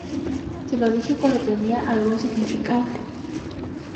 Se lo dije cuando tenía algún significado.